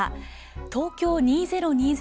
東京２０２０